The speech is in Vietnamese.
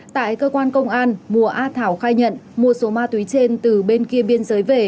tại cơ quan công an mùa a thảo khai nhận mua số ma túy trên từ bên kia biên giới về